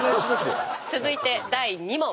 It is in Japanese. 続いて第２問。